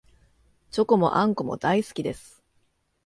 チョコもあんこも大好きです